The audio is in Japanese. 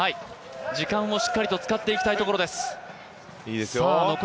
時間をしっかりと使っていきたいところです。